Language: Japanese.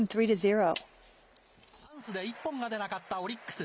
チャンスで１本が出なかったオリックス。